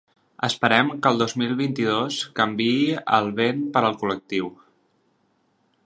Esperem que el dos mil vint-i-dos canviï el vent per al col·lectiu.